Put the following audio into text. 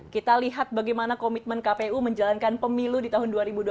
kita lihat bagaimana komitmen kpu menjalankan pemilu di tahun dua ribu dua puluh